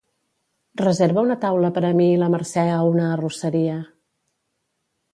Reserva una taula per a mi i la Mercè a una arrosseria.